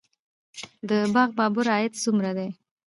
د باغ بابر عاید څومره دی؟